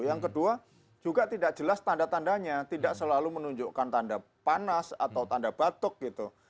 yang kedua juga tidak jelas tanda tandanya tidak selalu menunjukkan tanda panas atau tanda batuk gitu